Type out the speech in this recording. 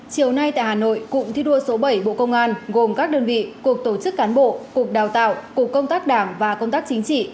chiều nay tại hà nội cụm thi đua số bảy bộ công an gồm các đơn vị cục tổ chức cán bộ cục đào tạo cục công tác đảng và công tác chính trị